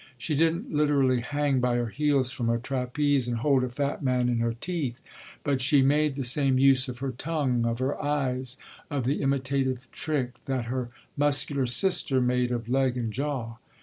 She didn't literally hang by her heels from a trapeze and hold a fat man in her teeth, but she made the same use of her tongue, of her eyes, of the imitative trick, that her muscular sister made of leg and jaw.